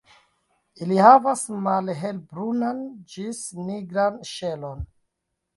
Ili havas malhelbrunan ĝis nigran ŝelon.